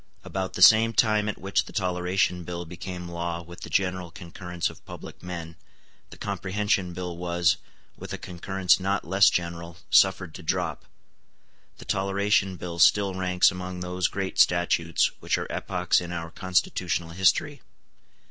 About the same time at which the Toleration bill became law with the general concurrence of public men, the Comprehension Bill was, with a concurrence not less general, suffered to drop. The Toleration Bill still ranks among those great statutes which are epochs in our constitutional history.